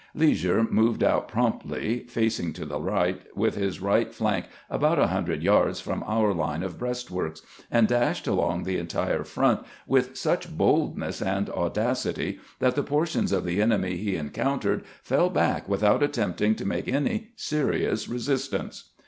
Leasure moved out promptly, facing to the right, with his right flank about a hundred yards from our line of breastworks, and dashed along the entire front with such boldness and audacity that the portions of the enemy he encountered fell back without attempting to make any serious resistance.